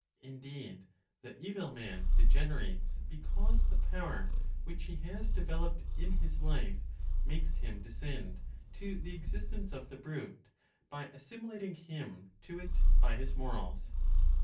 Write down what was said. Indeed, the evil man degenerates because the power which he has developed in his life makes him descend to the existence of the brute, by assimilating him to it by his morals.